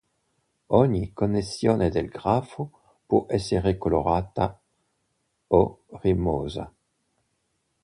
Ogni connessione del grafo può essere colorata o rimossa.